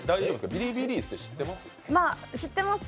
ビリビリ椅子って知ってます？